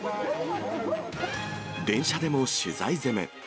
電車でも取材攻め。